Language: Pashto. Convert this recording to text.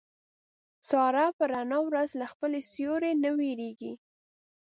ساره په رڼا ورځ له خپل سیوري نه وېرېږي.